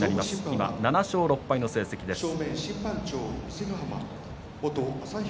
今７勝６敗の成績です。